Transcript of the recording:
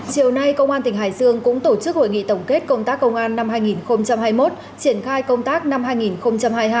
chiều nay công an tỉnh hải dương cũng tổ chức hội nghị tổng kết công tác công an năm hai nghìn hai mươi một triển khai công tác năm hai nghìn hai mươi hai